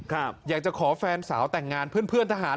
ครับอยากจะขอแฟนสาวแต่งงานเพื่อนทหาร